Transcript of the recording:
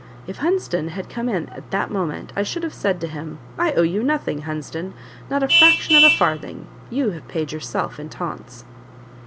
If Hunsden had come in at that moment, I should have said to him, "I owe you nothing, Hunsden not a fraction of a farthing: you have paid yourself in taunts!"